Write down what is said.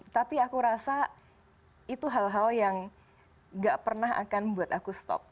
tapi aku rasa itu hal hal yang gak pernah akan membuat aku stop